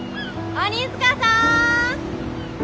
・鬼塚さん！